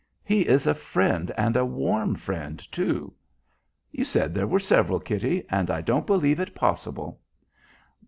"He is a friend, and a warm friend, too." "You said there were several, Kitty, and I don't believe it possible."